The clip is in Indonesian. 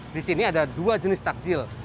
di sini ada dua jenis takjil